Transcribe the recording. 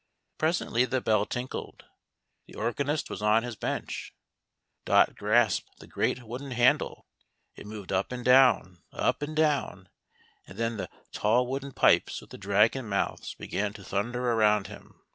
Presently the bell tinkled. The organist was on his bench. Dot grasped the great wooden handle ; it moved up and down, up and down, and then the tall wooden pipes with the dragon mouths began to thun der around him.